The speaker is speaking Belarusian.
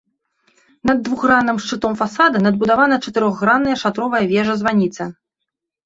Над двухгранным шчытом фасада надбудавана чатырохгранная шатровая вежа-званіца.